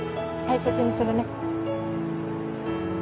大切にするね。